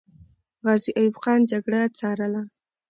غازي ایوب خان جګړه ځارله.